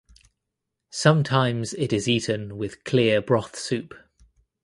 Sometimes it is eaten with clear broth soup.